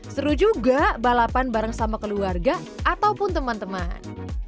seru juga balapan bareng sama keluarga ataupun teman teman